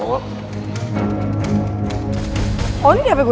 kok kamu ngucapin selamat ke aku